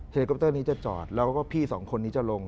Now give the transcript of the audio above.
คอปเตอร์นี้จะจอดแล้วก็พี่สองคนนี้จะลง